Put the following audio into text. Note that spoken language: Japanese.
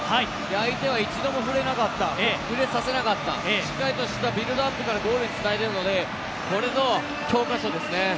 相手は一度も触れなかった、触れさせなかったしっかりしたビルドアップからゴールにつないでいるので、これぞ教科書ですね。